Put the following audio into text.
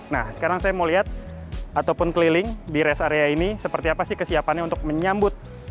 nah sekarang saya mau lihat ataupun keliling di rest area ini seperti apa sih kesiapannya untuk menyambut